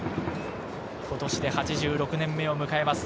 今年で８６年目を迎えます。